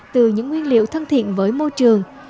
từ những nguyên liệu thân thiện với môi trường